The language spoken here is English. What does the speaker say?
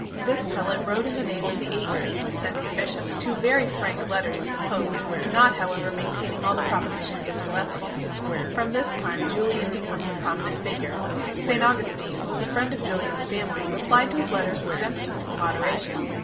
This prelate wrote in the name of the eighteen dissenting bishops two very frank letters to the pope, not however maintaining all the propositions of Cselestius. From this time Julian becomes a prominent figure. St Augustin, who was a friend of Julian s family, replied to his letters with gentleness and moderation.